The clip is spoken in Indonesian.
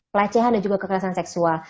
pelecehan dan juga kekerasan seksual